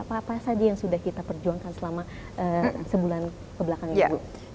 apa apa saja yang sudah kita perjuangkan selama sebulan kebelakang ini bu